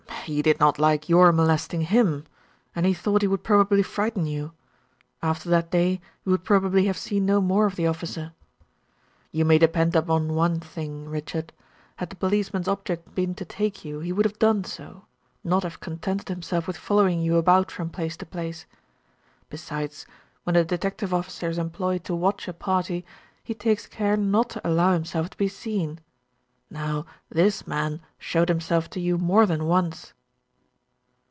"He did not like your molesting him, and he thought he would probably frighten you. After that day you would probably have seen no more of the officer. You may depend upon one thing, Richard, had the policeman's object been to take you, he would have done so, not have contented himself with following you about from place to place. Besides when a detective officer is employed to watch a party, he takes care not to allow himself to be seen; now this man showed himself to you more than once."